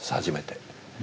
初めて。